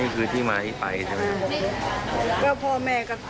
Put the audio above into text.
นี่คือที่มาให้ไปใช่ไหมอ่าก็พอแม่กับเขาเลี้ยงแขกอ่ะ